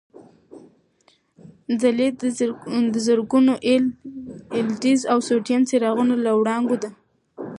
ځلېدا د زرګونو اېل ای ډیز او سوډیم څراغونو له وړانګو ده.